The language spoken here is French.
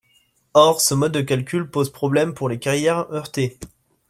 Or ce mode de calcul pose problème pour les carrières heurtées.